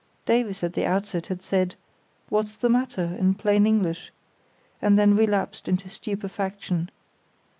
Davies at the outset had said, "What's the matter?" in plain English, and then relapsed into stupefaction.